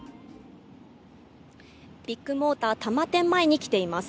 ビッグモーター多摩店前に来ています。